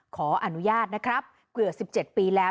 ขออนุญาตนะครับเกือบ๑๗ปีแล้ว